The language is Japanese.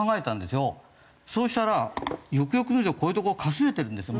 そしたらよくよく見るとこういうところかすれてるんですよ